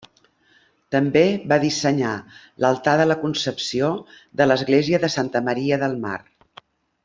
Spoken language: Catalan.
També va dissenyar l'altar de la Concepció de l'església de Santa Maria del Mar.